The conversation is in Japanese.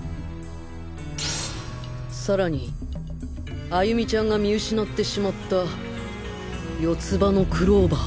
さらに歩美ちゃんが見失ってしまった四つ葉のクローバー